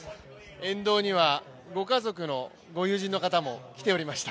沿道にはご家族のご友人の方も来ていました。